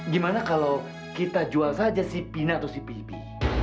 gimana kalau kita jual saja si pina atau cpb